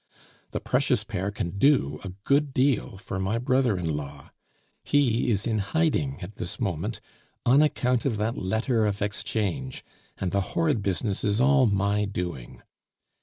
The precious pair can do a good deal for my brother in law; he is in hiding at this moment on account of that letter of exchange, and the horrid business is all my doing.